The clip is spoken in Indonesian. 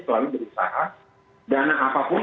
selalu berusaha dana apapun